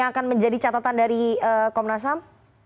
yang akan menjadi catatan dari komnas ham